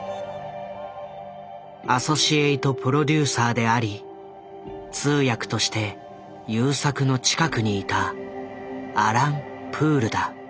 アソシエイト・プロデューサーであり通訳として優作の近くにいたアラン・プールだ。